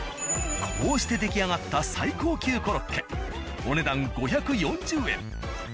こうして出来上がった最高級コロッケお値段５４０円。